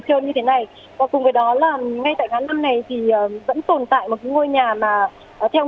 và cùng với đó là ngay tại ngã năm này thì vẫn tồn tại một cái ngôi nhà mà theo người dân phản ánh thì nó sẽ làm che khuất tầm nhìn của người tham gia giao thông